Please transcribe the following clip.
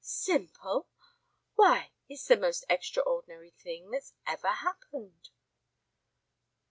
"Simple? Why, it's the most extraordinary thing that ever happened."